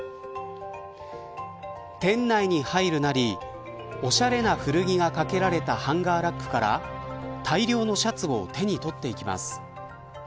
店内に入るなりおしゃれな古着がかけられたハンガーラックから大量のシャツを手に取っていきます。